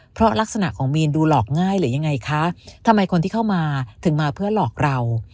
เพราะลักษณะของมีนดูหลอกง่ายหรือยังไงคะทำไมคนที่เข้ามาถึงมาเพื่อหลอกเรา